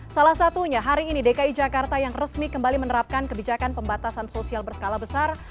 salah satunya hari ini dki jakarta yang resmi kembali menerapkan kebijakan pembatasan sosial berskala besar